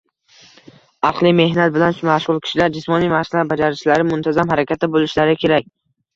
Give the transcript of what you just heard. Aqliy mehnat bilan mashg‘ul kishilar jismoniy mashqlar bajarishlari, muntazam harakatda bo‘lishlari kerak.